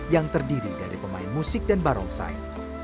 yang terdiri dari pemain musik dan barongsai